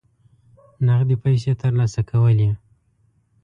نغدي پیسې ترلاسه کولې.